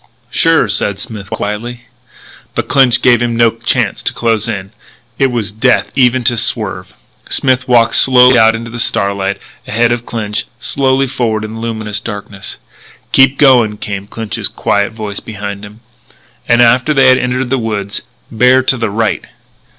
"Sure," said Smith quietly. But Clinch gave him no chance to close in: it was death even to swerve. Smith walked slowly out into the starlight, ahead of Clinch slowly forward in the luminous darkness. "Keep going," came Clinch's quiet voice behind him. And, after they had entered the woods, "Bear to the right."